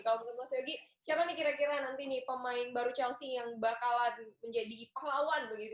kalau menurut mas yogi siapa nih kira kira nanti nih pemain baru chelsea yang bakalan menjadi pahlawan begitu